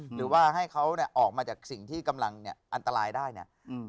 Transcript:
หรือว่าให้เขาออกมาจากสิ่งที่กำลังอันตรายได้เนี่ย